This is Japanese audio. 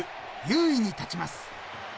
優位に立ちます］